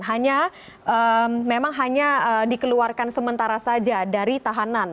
hanya memang hanya dikeluarkan sementara saja dari tahanan